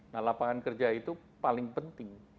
nah lapangan kerja itu paling penting